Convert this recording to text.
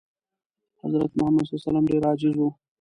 حضرت محمد ﷺ ډېر عاجز و.